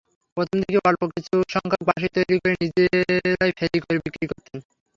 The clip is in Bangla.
প্রথমদিকে অল্প কিছুসংখ্যক বাঁশি তৈরি করে নিজেরাই ফেরি করে বিক্রি করতেন।